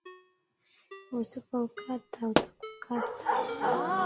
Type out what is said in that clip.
Usipoukata utakukata